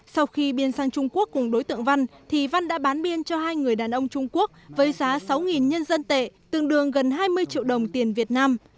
sau khi biên sang trung quốc cùng đối tượng văn thì văn đã bán biên cho hai người đàn ông trung quốc với giá sáu nhân dân tệ tương đương gần hai mươi triệu đồng tiền việt nam